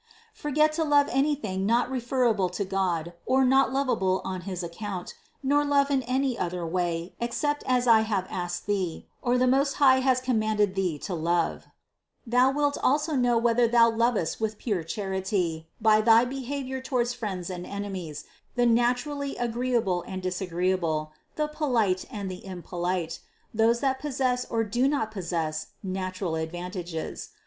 Forget to love anything not referable to God or not lovable on his account, nor love in any other way except as I have asked thee or the Most High has commanded thee to love. 28 410 CITY OF GOD Thou wilt also know whether thou lovest with pure char ity, by thy behavior towards friends and enemies, the naturally agreeable and disagreeable, the polite and the impolite, those that possess or do not possess natural ad vantages.